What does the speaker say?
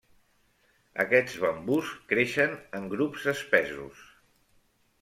Aquests bambús creixen en grups espessos.